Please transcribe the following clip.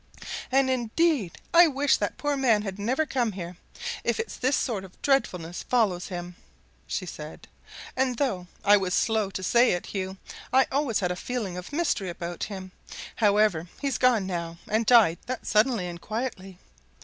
"And indeed I wish that poor man had never come here, if it's this sort of dreadfulness follows him!" she said. "And though I was slow to say it, Hugh, I always had a feeling of mystery about him. However, he's gone now and died that suddenly and quietly!